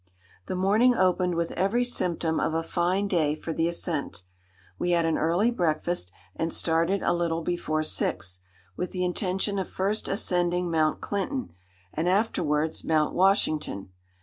"The morning opened with every symptom of a fine day for the ascent. We had an early breakfast, and started a little before six, with the intention of first ascending Mount Clinton, and afterwards Mount Washington.